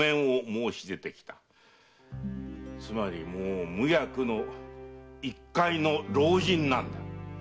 つまりもう無役の一介の老人なんだ。